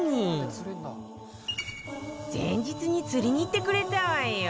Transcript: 前日に釣りに行ってくれたわよ